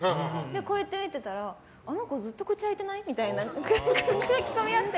こうやって見てたらあの子ずっと口が開いてない？みたいな書き込みがあって。